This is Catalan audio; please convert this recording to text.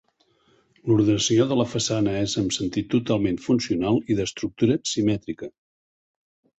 L'ordenació de la façana és amb sentit totalment funcional i d'estructura simètrica.